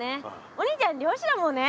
お兄ちゃんりょうしだもんね。